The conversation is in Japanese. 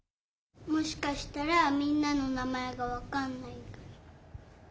もしかしたらみんなのなまえがわかんないから。